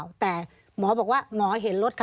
มีความรู้สึกว่ามีความรู้สึกว่า